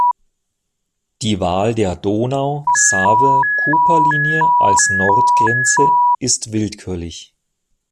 Die Wahl der Donau-Save-Kupa-Linie als Nordgrenze ist willkürlich.